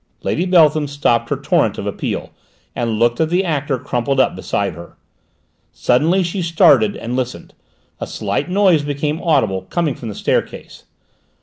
Lady Beltham stopped her torrent of appeal, and looked at the actor crumpled up beside her. Suddenly she started and listened: a slight noise became audible, coming from the staircase.